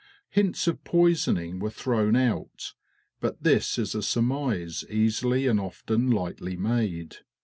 Hints of poisoning were thrown out, but this is a surmise easily and often lightly made.